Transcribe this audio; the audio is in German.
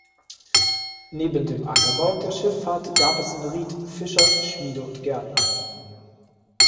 Neben dem Ackerbau und der Schifffahrt gab es in Rieth Fischer, Schmiede und Gärtner.